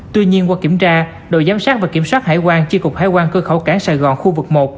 tuy nhiên qua kiểm tra đội giám sát và kiểm soát hải quan chi cục hải quan cơ khẩu cảng sài gòn khu vực một